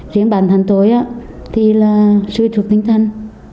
riêng bản thân tôi thì là sư thuộc tinh thần